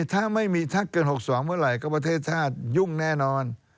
ถ้าไม่มีถ้าเกิน๖๒เมื่อไหร่ก็ประเทศชาติยุ่งแน่นอน